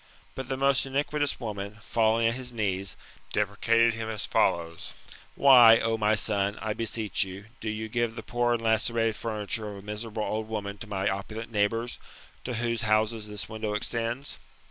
But the most iniquitous woman, falling at his knees, deprecated him as follows : Why, O my son, I beslsech you, do you give the poor and lacerated furniture of a miserable old woman to my opulent neighbours, to whose houses this window extends